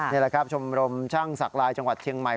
นี่แหละครับชมรมช่างศักลายจังหวัดเชียงใหม่